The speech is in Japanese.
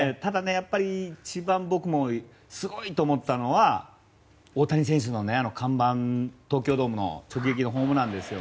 一番、僕がすごいと思ったのは大谷選手の看板、東京ドームの直撃のホームランです。